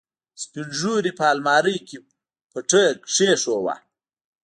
سپينږيري په المارۍ کې پټۍ کېښوده.